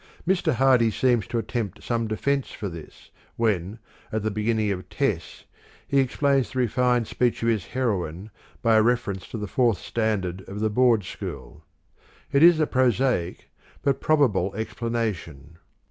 Mr. Hardy seems to attempt some defence for this, when, at the beginning of " Tcss," he explains the refined speech of his heroine by a reference to the fourth standard of the Board School. It is a prosaic, but probable ex planation.